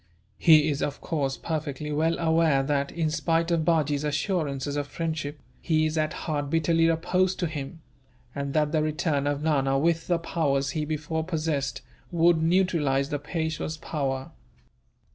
He is, of course, perfectly well aware that, in spite of Bajee's assurances of friendship, he is at heart bitterly opposed to him; and that the return of Nana, with the powers he before possessed, would neutralize the Peishwa's power."